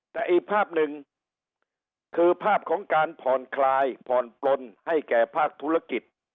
แต่อีกภาพหนึ่งคือภาพของการผ่อนคลายผ่อนปลนให้แก่ภาคธุรกิจ